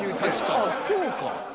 あっそうか。